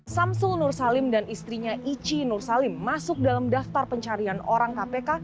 samsul nursalim dan istrinya ici nursalim masuk dalam daftar pencarian orang kpk